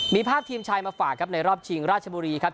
มีภาพทีมชายมาฝากครับในรอบชิงราชบุรีครับ